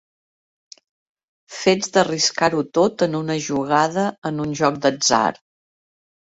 Fets d'arriscar-ho tot en una jugada en un joc d'atzar.